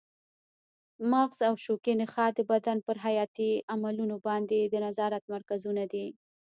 مغز او شوکي نخاع د بدن پر حیاتي عملونو باندې د نظارت مرکزونه دي.